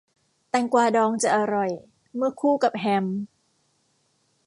แตงกวาดองจะอร่อย เมื่อคู่กับแฮม